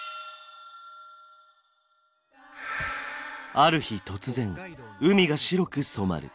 ある日突然海が白く染まる。